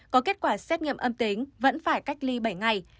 có kết quả xét nghiệm âm tính vẫn phải cách ly bảy ngày